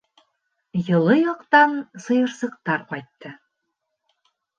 Йылы яҡтан сыйырсыҡтар ҡайтты.